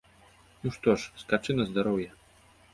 Ну, што ж, скачы на здароўе.